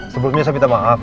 sebelumnya saya minta maaf